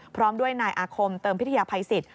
พร้อมด้วยนายอาคมเติมพิทยาภัยสิทธิ